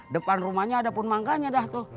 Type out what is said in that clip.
depan rumahnya ada pun mangganya dah tuh